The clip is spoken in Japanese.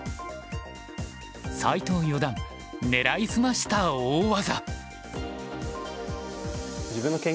斎藤四段狙い澄ました大技。